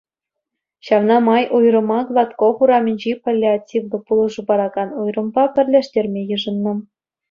Ҫавна май уйрӑма Гладков урамӗнчи паллиативлӑ пулӑшу паракан уйрӑмпа пӗрлештерме йышӑннӑ.